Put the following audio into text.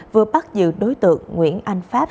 vừa bắt giữ đối tượng nguyễn anh pháp